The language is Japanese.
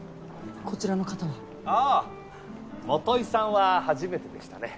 こちらの方はあぁ基さんは初めてでしたね